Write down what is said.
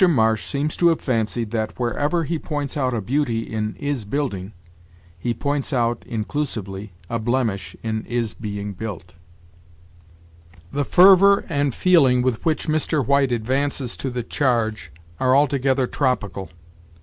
Marsh seems to have fancied that, wherever he points out a beauty in is building, he points out, inclusively, a blemish in is being built. "The fervor and feeling with which Mr. White advances to the charge are altogether tropical.